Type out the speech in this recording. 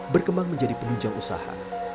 berkembang menjadi penunjang usaha